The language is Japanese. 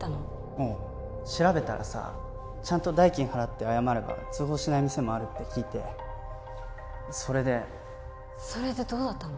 うん調べたらさちゃんと代金払って謝れば通報しない店もあるって聞いてそれでそれでどうだったの？